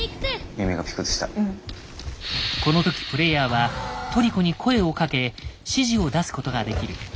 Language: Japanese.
この時プレイヤーはトリコに声をかけ指示を出すことができる。